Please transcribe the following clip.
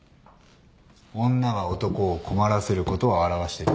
女は男を困らせることを表している。